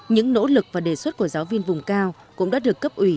những nỗ lực và đề xuất của giáo viên vùng cao cũng đã được cấp ủy